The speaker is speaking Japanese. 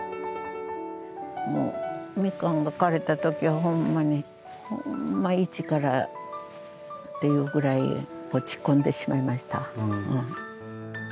もうミカンが枯れた時はほんまにほんま一からっていうぐらいに落ち込んでしまいました。